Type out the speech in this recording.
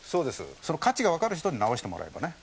その価値が分かる人に直してもらえればね。